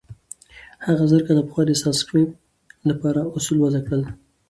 هغه زرکال پخوا د سانسکریت له پاره اوصول وضع کړل.